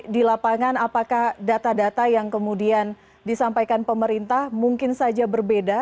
di lapangan apakah data data yang kemudian disampaikan pemerintah mungkin saja berbeda